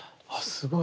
すごい。